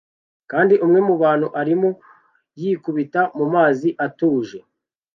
kandi umwe mubantu arimo yikubita mumazi atuje